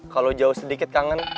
kalau jauh sedikit kangen